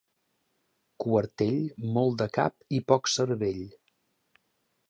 Quartell, molt de cap i poc cervell.